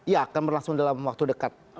ya akan berlangsung dalam waktu dekat